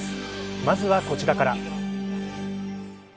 まずは、こちらから。